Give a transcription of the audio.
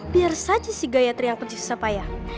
biar saja si gayatri yang pencipta payah